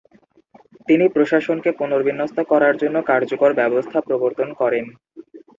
তিনি প্রশাসনকে পুনর্বিন্যস্ত করার জন্য কার্যকর ব্যবস্থা প্রবর্তন করেন।